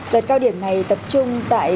đợt cao điểm này tập trung tại